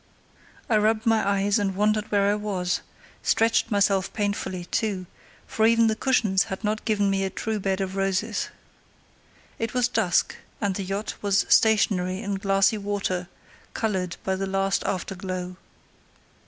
I rubbed my eyes and wondered where I was; stretched myself painfully, too, for even the cushions had not given me a true bed of roses. It was dusk, and the yacht was stationary in glassy water, coloured by the last after glow.